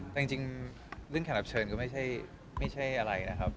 แต่จริงเรื่องแขกรับเชิญก็ไม่ใช่อะไรนะครับ